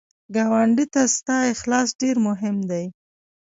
ګاونډي ته ستا اخلاص ډېر مهم دی